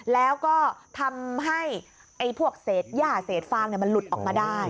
แล้วก็ทำให้พวกเศษย่าเศษฟางมันหลุดออกมาได้